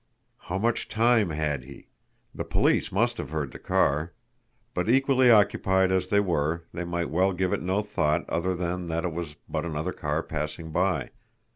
How much time had he? The police must have heard the car; but, equally, occupied as they were, they might well give it no thought other than that it was but another car passing by.